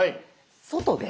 外で。